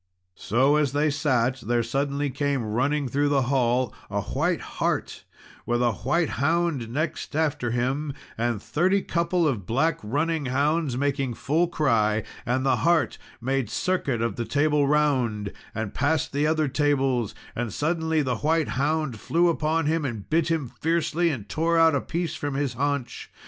So as they sat, there suddenly came running through the hall, a white hart, with a white hound next after him, and thirty couple of black running hounds, making full cry; and the hart made circuit of the Table Round, and past the other tables; and suddenly the white hound flew upon him and bit him fiercely, and tore out a piece from his haunch.